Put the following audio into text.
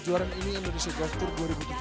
soretnya adalah kosong apakah itu